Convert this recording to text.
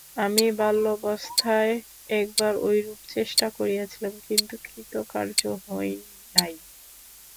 আমি বাল্যাবস্থায় একবার ঐরূপ চেষ্টা করিয়াছিলাম, কিন্তু কৃতকার্য হই নাই।